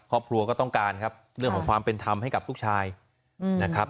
ครอบครัวก็ต้องการครับเรื่องของความเป็นธรรมให้กับลูกชายนะครับ